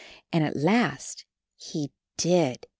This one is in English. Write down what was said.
And at last he did.